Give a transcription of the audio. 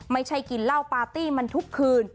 ไม่ใช่กินเหล้าปาร์ตี้มันทุกคืน